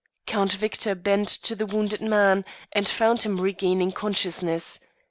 Count Victor bent to the wounded man and found him regaining consciousness.